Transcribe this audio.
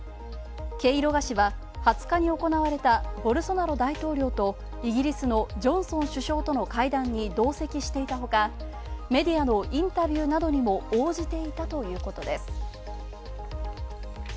ケイロガ氏は２０日におこなわれたイギリスのジョンソン首相との会談に同席していたほか、メディアのインタビューなどにも応じていたということです。